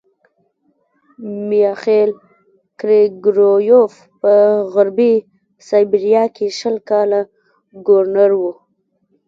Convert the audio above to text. میخایل ګریګورویوف په غربي سایبیریا کې شل کاله ګورنر وو.